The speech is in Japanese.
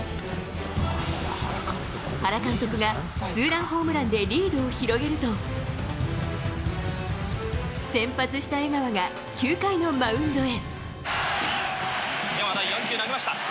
原監督が、ツーランホームランでリードを広げると先発した江川が９回のマウンドへ。